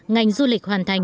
ngành du lịch hoàn thành